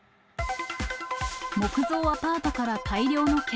木造アパートから大量の煙。